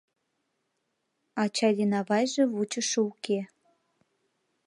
Ачай ден авайже вучышо уке.